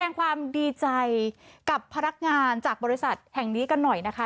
แสดงความดีใจกับพนักงานจากบริษัทแห่งนี้กันหน่อยนะคะ